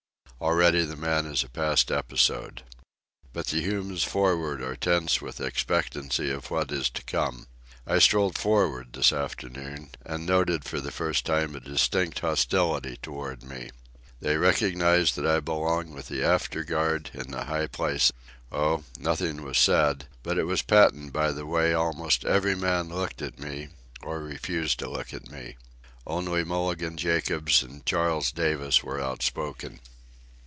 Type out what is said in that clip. Already the man is a past episode. But the humans for'ard are tense with expectancy of what is to come. I strolled for'ard this afternoon, and noted for the first time a distinct hostility toward me. They recognize that I belong with the after guard in the high place. Oh, nothing was said; but it was patent by the way almost every man looked at me, or refused to look at me. Only Mulligan Jacobs and Charles Davis were outspoken.